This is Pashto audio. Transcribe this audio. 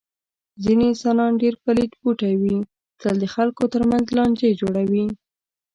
ځنې انسانان ډېر پلیت بوټی وي. تل د خلکو تر منځ لانجې جوړوي.